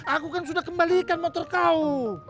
aku kan sudah kembalikan motor kau